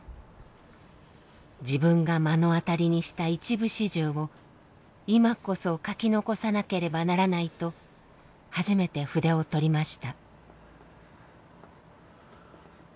自分が目の当たりにした一部始終を今こそ書き残さなければならないと初めて筆を執りました。